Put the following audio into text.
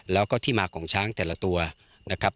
แล้วก็ที่มาของช้างแต่ละตัวนะครับ